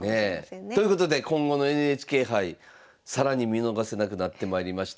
ねえ。ということで今後のＮＨＫ杯更に見逃せなくなってまいりました。